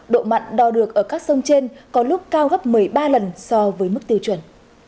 độ mặn đo được ở các sông trên có lúc cao gấp một mươi ba lần so với mức tiêu chuẩn